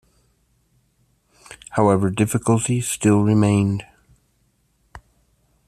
However, difficulties still remained.